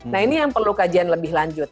nah ini yang perlu kajian lebih lanjut